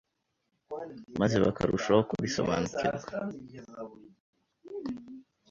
maze bakarushaho kubisobanukirwa.